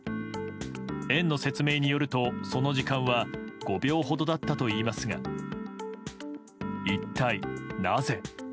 園の説明によるとその時間は５秒ほどだったといいますが一体なぜ。